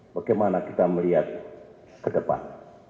bagaimana kita melihat ke depan